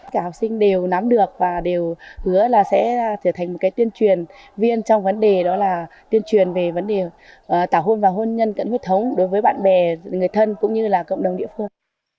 các học sinh đều nắm được và đều hứa là sẽ trở thành một tuyên truyền viên trong vấn đề đó là tuyên truyền về vấn đề tảo hôn và hôn nhân cận huyết thống đối với bạn bè người thân cũng như là cộng đồng địa phương